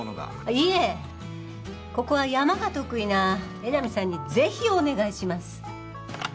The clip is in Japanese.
いえここは山が得意な江波さんにぜひお願いします。